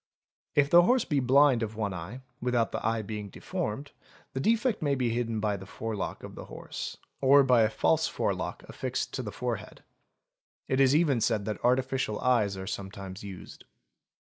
If the horse be blind of one eye, without the eye being deformed, the defect may be hidden by the forelock of the horse, or by a false forelock | affixed to the forehead. It is even said that artificial eyes are sometimes used.